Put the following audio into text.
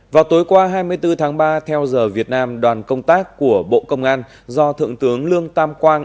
vào tối qua hai mươi bốn tháng ba theo giờ việt nam đoàn công tác của bộ công an do thượng tướng lương tam quang